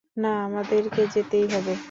না, আমাদেরকে যেতেই হবে!